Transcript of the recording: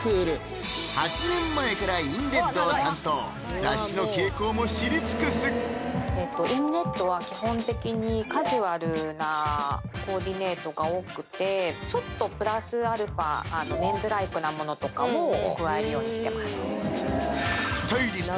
雑誌の傾向も知り尽くす「ＩｎＲｅｄ」は基本的にカジュアルなコーディネートが多くてちょっとプラスアルファメンズライクなものとかも加えるようにしてます